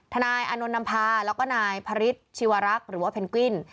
นายอานนท์นำพาแล้วก็นายพระฤทธิวรักษ์หรือว่าเพนกวิน